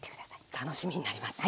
楽しみになりますね。